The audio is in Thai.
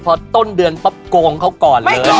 พอต้นเดือนปั๊บโกงเขาก่อนเลย